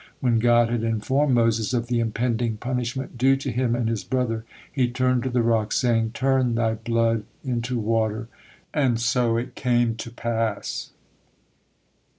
When God had informed Moses of the impending punishment due to him and his brother, He turned to the rock, saying: "Turn thy blood into water," and so it came to pass.